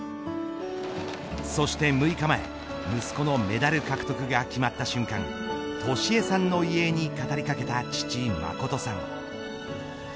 そして６日前、息子のメダル獲得が決まった瞬間俊恵さんの遺影に語りかけた父、誠さん。